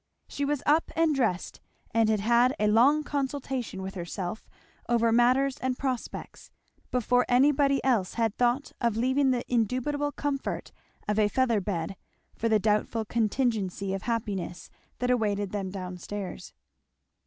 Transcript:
She was up and dressed and had had a long consultation with herself over matters and prospects, before anybody else had thought of leaving the indubitable comfort of a feather bed for the doubtful contingency of happiness that awaited them down stairs.